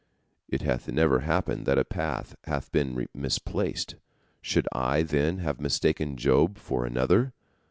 It hath never happened that a path hath been misplaced. Should I, then, have mistaken Job for another?